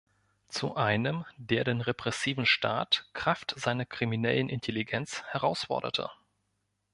Zu einem, der den repressiven Staat kraft seiner kriminellen Intelligenz herausforderte.